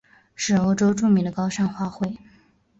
是欧洲著名的高山花卉。